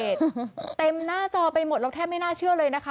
เต็มหน้าจอไปหมดเราแทบไม่น่าเชื่อเลยนะคะ